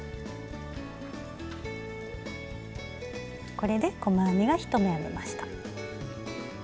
これで細編みが１目編めました。